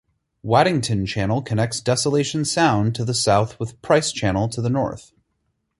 Waddington Channel connects Desolation Sound to the south with Pryce Channel to the north.